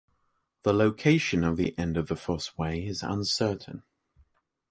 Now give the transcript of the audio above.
The location of the end of the Fosse Way is uncertai.